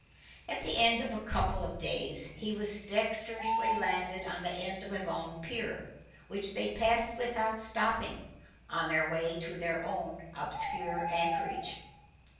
At the end of a couple of days he was dexterously landed on the end of a long pier, which they passed without stopping, on their way to their own obscure anchorage.